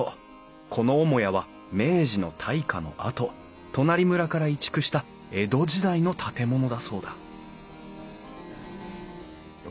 この母屋は明治の大火のあと隣村から移築した江戸時代の建物だそうだ渡